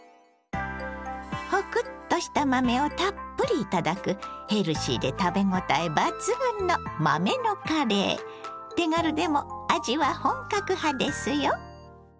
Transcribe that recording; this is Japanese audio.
ホクッとした豆をたっぷり頂くヘルシーで食べごたえ抜群の手軽でも味は本格派ですよ。